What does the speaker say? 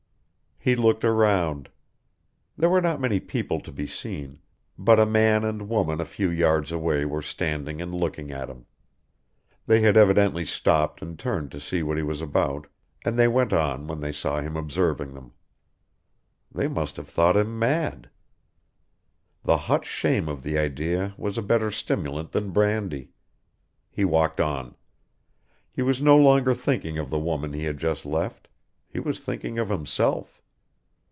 He looked around. There were not many people to be seen, but a man and woman a few yards away were standing and looking at him. They had evidently stopped and turned to see what he was about and they went on when they saw him observing them. They must have thought him mad. The hot shame of the idea was a better stimulant than brandy. He walked on. He was no longer thinking of the woman he had just left. He was thinking of himself.